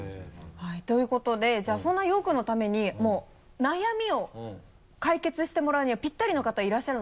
はいということでじゃあそんな庸生君のためにもう悩みを解決してもらうにはピッタリの方いらっしゃるので。